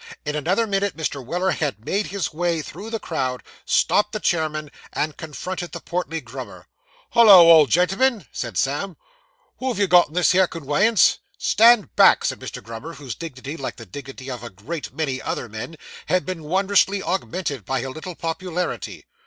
In another minute Mr. Weller had made his way through the crowd, stopped the chairmen, and confronted the portly Grummer. 'Hollo, old gen'l'm'n!' said Sam. 'Who have you got in this here conweyance?' 'Stand back,' said Mr. Grummer, whose dignity, like the dignity of a great many other men, had been wondrously augmented by a little popularity.